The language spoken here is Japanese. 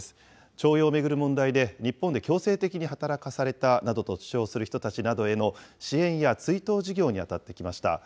徴用を巡る問題で、日本で強制的に働かされたなどと主張する人たちなどへの支援や追悼事業に当たってきました。